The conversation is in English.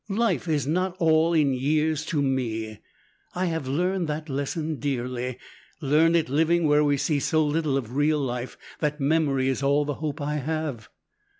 "Life is not all in years to me! I have learned that lesson dearly, learned it living where we see so little of real life that memory is all the hope I have."